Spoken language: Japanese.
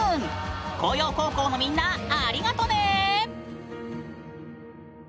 向陽高校のみんなありがとね！